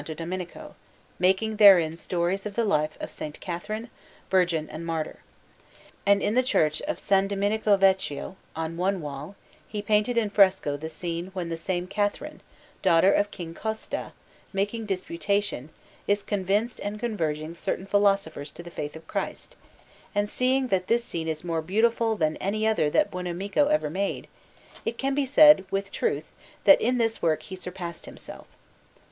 Domenico, making therein stories of the life of S. Catherine, virgin and martyr. And in the Church of S. Domenico Vecchio, on one wall, he painted in fresco the scene when the same Catherine, daughter of King Costa, making disputation, is convincing and converting certain philosophers to the faith of Christ; and seeing that this scene is more beautiful than any other that Buonamico ever made, it can be said with truth that in this work he surpassed himself.